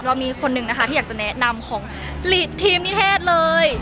รอบนี้คนนึงที่อยากจะแนะนำของฤทธิ์ทีมนิเทศเลย